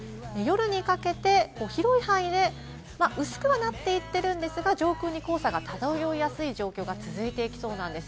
夜にかけて広い範囲で薄くはなっていってるんですが、上空に黄砂が漂いやすい状況が続いていきそうなんです。